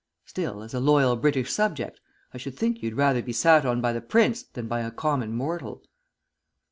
Still, as a loyal British subject, I should think you'd rather be sat on by the Prince than by a common mortal."